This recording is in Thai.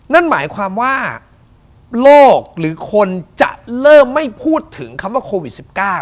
นั่นหมายความว่าโลกหรือคนจะเริ่มไม่พูดถึงคำว่าโควิด๑๙